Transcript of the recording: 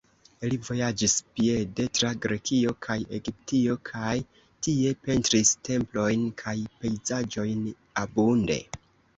Li vojaĝis piede tra Grekio kaj Egiptio kaj tie pentris templojn kaj pejzaĝojn abunde.